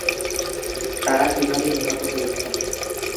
তাঁরা কিভাবে নিহত হয়েছেন?